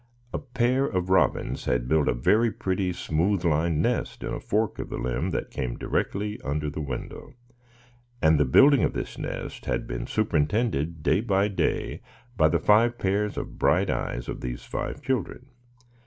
A pair of robins had built a very pretty, smooth lined nest in a fork of the limb that came directly under the window, and the building of this nest had been superintended, day by day, by the five pairs of bright eyes of these five children.